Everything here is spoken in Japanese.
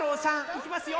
いきますよ！